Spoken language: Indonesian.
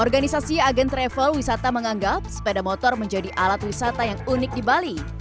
organisasi agen travel wisata menganggap sepeda motor menjadi alat wisata yang unik di bali